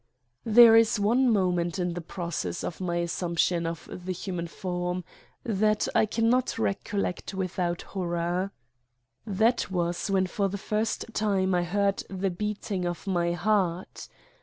There is one moment in the process of my as sumption of the human form that I cannot recol lect without horror. That was when for the first time I heard the beating of My heart.